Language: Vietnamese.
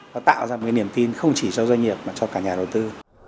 nó tạo ra một cái niềm tin không chỉ cho doanh nghiệp mà cho cả nhà đầu tư